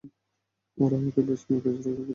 ওরা আমাকে বেসমেন্টে ক্যান্সারের চিকিৎসা দিচ্ছে।